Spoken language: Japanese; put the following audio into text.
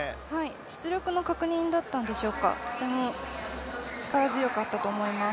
出力の確認だったんでしょうかとても力強かったと思います。